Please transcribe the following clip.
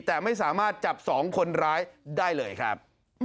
แต่ไม่สามารถจับ๒คนร้ายได้เลยครับ